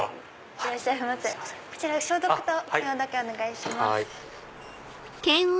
こちら消毒と検温だけお願いします。